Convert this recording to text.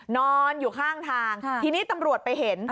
นอนอยู่ข้างทางทีนี้ตำรวจไปเห็น